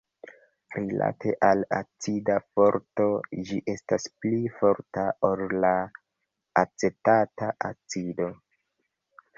Rilate al acida forto ĝi estas pli forta ol la acetata acido.